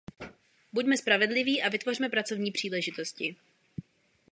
Buďme spravedliví a vytvořme pracovní příležitosti.